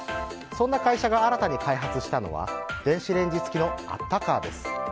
そんな会社が新たに開発したのは電子レンジ付きのあったカーです。